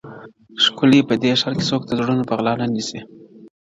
ښکلي په دې ښار کي څوک د زړونو په غلا نه نیسي -